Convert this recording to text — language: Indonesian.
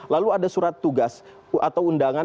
lalu ada surat tugas atau undangan